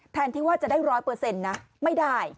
แทนที่ว่าจะได้๑๐๐ไม่ได้